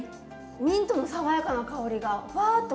ミントの爽やかな香りがふわっときますね。